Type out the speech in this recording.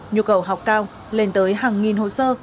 nhu cầu học cao lên tới hàng nghìn hồ sơ